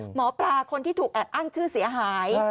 หมอปลาคนที่ถูกอ้างชื่อเสียหาย